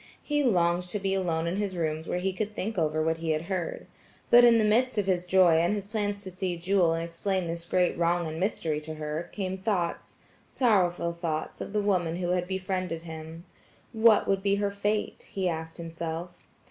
He longed to be alone in his rooms where he could think over what he had heard. But in the midst of his joy and his plans to see Jewel and explain this great wrong and mystery to her, came thoughts–sorrowful thoughts of the woman who had befriended him. What would be her fate? he asked himself.